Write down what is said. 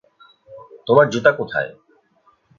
তোমার জুতা কোথায়?